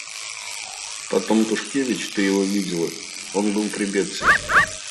Потом Тушкевич, — ты его видела, он был при Бетси.